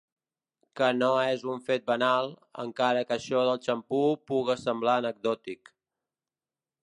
Que no és un fet banal, encara que això del xampú puga semblar anecdòtic.